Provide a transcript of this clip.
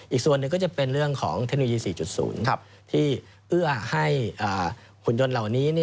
อีกส่วนหนึ่งก็จะเป็นเรื่องของเทคโนโลยี๔๐ที่เอื้อให้หุ่นยนต์เหล่านี้